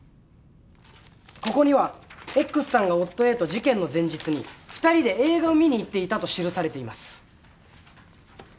ここにはＸさんが夫Ａと事件の前日に２人で映画を見に行っていたと記されています。